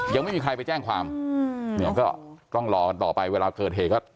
ยังไม่มีใครไปแจ้งความเนี่ยก็ต้องรอกันต่อไปเวลาเกิดเหตุก็